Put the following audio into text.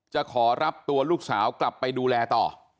จะขอรับตัวลูกสาวกลับไปดูแลต่อ